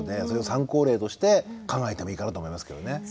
それを参考例として考えてもいいかなと思いますけどね。